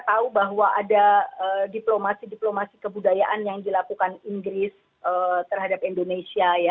kita tahu bahwa ada diplomasi diplomasi kebudayaan yang dilakukan inggris terhadap indonesia